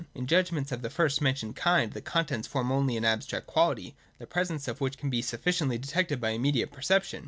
In judgments of the first mentioned kind the content forms only an abstract quality, the presence of which can be sufficiently detected by immediate perception.